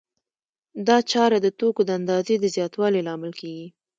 دا چاره د توکو د اندازې د زیاتوالي لامل کېږي